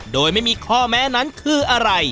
โดยไม่มีข้อแม้นั้นคืออะไร